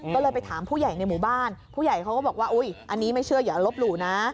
ก็เลยไปถามผู้ใหญ่ในหมู่บ้านผู้ใหญ่เขาก็บอกว่าอุ๊ยอันนี้ไม่เชื่ออย่าลบหลู่นะ